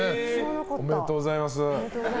おめでとうございます。